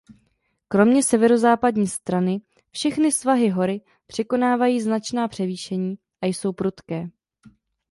Kromě severozápadní strany všechny svahy hory překonávají značná převýšení a jsou prudké.